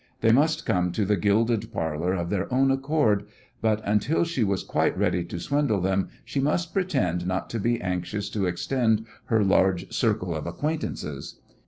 They must come to the gilded parlour of their own accord, but until she was quite ready to swindle them she must pretend not to be anxious to extend her "large circle of acquaintances."